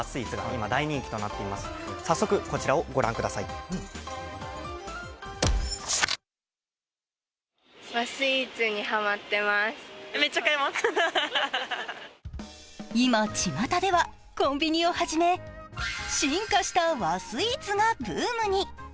今、ちまたではコンビニを始め進化した和スイーツがブームに。